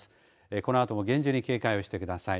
このあとも厳重に警戒をしてください。